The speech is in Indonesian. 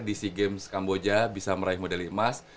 dc games kamboja bisa meraih model emas